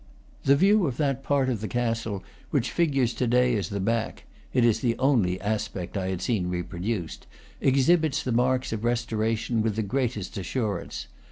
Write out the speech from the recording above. The view of that part of the castle which figures to day as the back (it is the only aspect I had seen reproduced) exhibits the marks of restoration with the greatest assurance.